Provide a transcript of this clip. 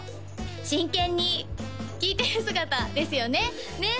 真剣に聴いてる姿ですよねねっ？